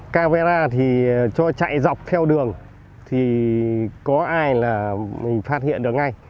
camera thì cho chạy dọc theo đường thì có ai là mình phát hiện được ngay